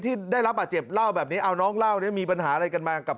ที่ได้รับบาดเจ็บเล่าแบบนี้เอาน้องเล่าเนี่ยมีปัญหาอะไรกันมากับ